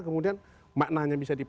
kemudian maknanya bisa dibaca